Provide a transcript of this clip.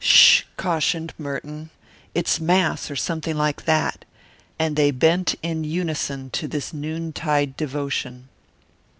"Ssh!" cautioned Merton. "It's Mass or something like that." And they bent in unison to this noon tide devotion.